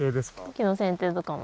木の剪定とかも。